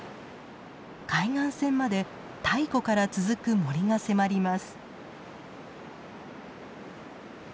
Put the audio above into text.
海岸線まで太古から続く森が迫ります。